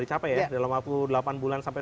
dicapai ya dalam waktu delapan bulan sampai